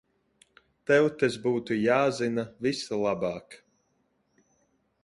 Tev tas būtu jāzina vislabāk.